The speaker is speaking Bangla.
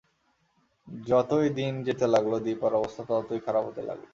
যতই দিন যেতে লাগল দিপার অবস্থা ততই খারাপ হতে লাগল।